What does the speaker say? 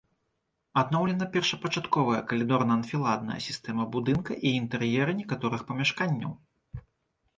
Адноўлена першапачатковая калідорна-анфіладная сістэма будынка і інтэр'еры некаторых памяшканняў.